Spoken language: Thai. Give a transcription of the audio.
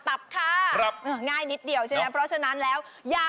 ตับค่ะครับง่ายนิดเดียวใช่ไหมเพราะฉะนั้นแล้วยา